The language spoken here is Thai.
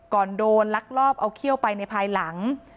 ก่อนโดนลักลอบเอาเขี้ยวไปในภายหลัง